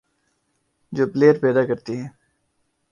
جو پلئیر پیدا کرتی ہے،